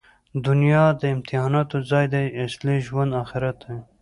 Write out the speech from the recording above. دونیا د امتحاناتو ځای دئ. اصلي ژوند آخرت دئ.